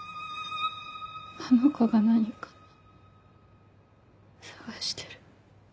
あの子が何か探してる。